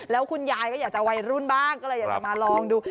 แล้วคุณยายอยากจะวัยรุ่นบ้างอยากมาลองดู